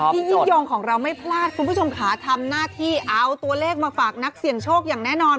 ยิ่งยงของเราไม่พลาดคุณผู้ชมขาทำหน้าที่เอาตัวเลขมาฝากนักเสี่ยงโชคอย่างแน่นอน